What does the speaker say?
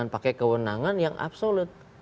pakai kewenangan yang absolut